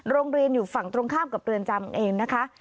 อยู่ฝั่งตรงข้ามกับเรือนจำเองนะคะ